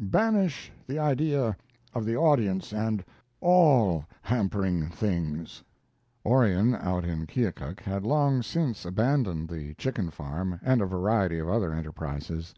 Banish the idea of the audience and all hampering things." Orion, out in Keokuk, had long since abandoned the chicken farm and a variety of other enterprises.